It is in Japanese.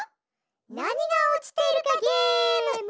なにがおちているかゲーム！